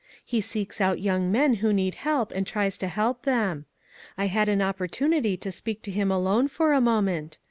He seeks out young men who need help, and tries to help them. I had an opportunity to speak to him alone for a moment.